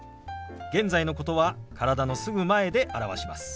現在のことは体のすぐ前で表します。